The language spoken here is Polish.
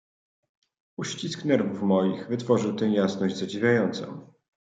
"Ucisk nerwów moich wytworzył tę jasność zadziwiającą."